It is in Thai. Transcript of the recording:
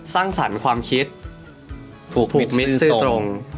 สร้างสรรค์ความคิดถูกผูกมิตรซื่อตรง